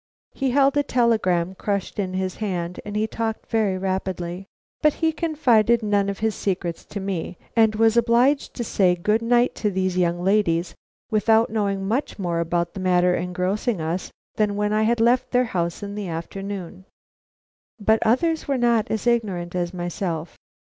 He held a telegram crushed in his hand, and he talked very rapidly. But he confided none of his secrets to me, and I was obliged to say good night to these young ladies without knowing much more about the matter engrossing us than when I left their house in the afternoon. But others were not as ignorant as myself.